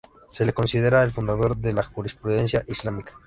Se lo considera el fundador de la jurisprudencia islámica.